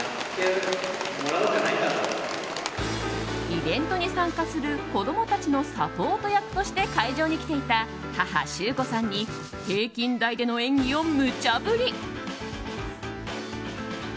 イベントに参加する子供たちのサポート役として会場に来ていた母・周子さんに平均台での演技をむちゃ振り。